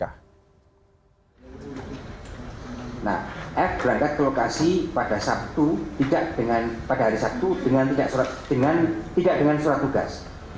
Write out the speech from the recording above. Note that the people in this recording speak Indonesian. nah f berangkat ke lokasi pada hari sabtu tidak dengan surat tugas